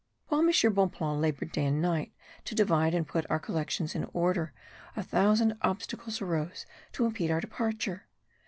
While M. Bonpland laboured day and night to divide and put our collections in order, a thousand obstacles arose to impede our departure.